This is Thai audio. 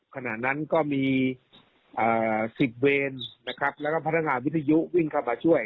ขณะนั้นก็มีสิทธิ์เวรและพัฒนาวิทยุวิ่งเข้ามาช่วย